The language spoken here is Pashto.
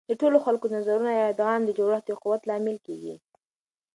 د ټولو خلکو د نظرونو ادغام د جوړښت د قوت لامل کیږي.